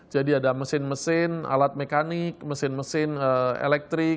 jadi ada mesin mesin alat mekanik mesin mesin elektrik